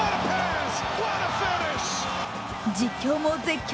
実況も絶叫！